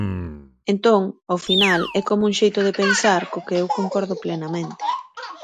Entón, ao final, é como un xeito de pensar co que eu concordo plenamente.